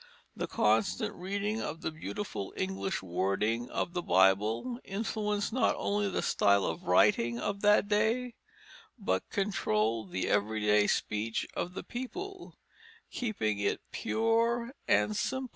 The constant reading of the beautiful English wording of the Bible influenced not only the style of writing of that day, but controlled the everyday speech of the people, keeping it pure and simple.